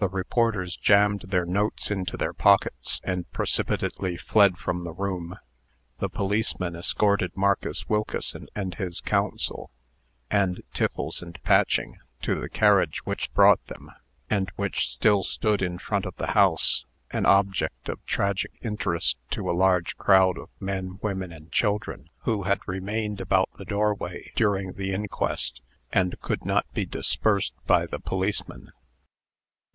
The reporters jammed their notes into their pockets, and precipitately fled from the room. The policeman escorted Marcus Wilkeson and his counsel, and Tiffles and Patching, to the carriage which brought them, and which still stood in front of the house, an object of tragic interest to a large crowd of men, women, and children, who had remained about the doorway during the inquest, and could not be dispersed by the policemen.